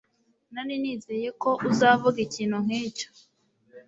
Nari nizeye ko uzavuga ikintu nkicyo